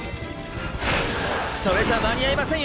それじゃ間に合いませんよ！